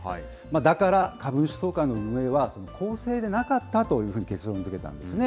だから株主総会の運営は、公正でなかったというふうに結論づけたんですね。